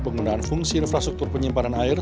penggunaan fungsi infrastruktur penyimpanan air